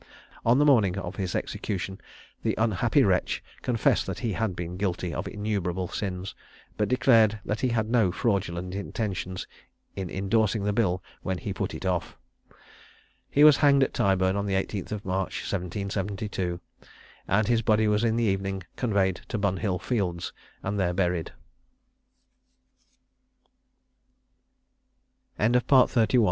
On the morning of his execution, the unhappy wretch confessed that he had been guilty of innumerable sins, but declared that he had no fraudulent intention in indorsing the bill when he put it off. He was hanged at Tyburn on the 18th of March 1772, and his body was in the evening conveyed to Bunhill Fields, and there buried. WILLIAM GRIFFITHS. EXECUTED FOR HIGHWAY ROBBERY.